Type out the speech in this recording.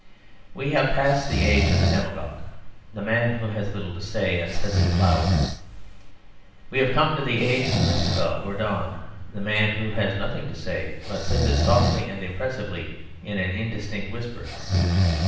We have passed the age of the demagogue, the man who has little to say and says it loud. We have come to the age of the mystagogue or don, the man who has nothing to say, but says it softly and impressively in an indistinct whisper.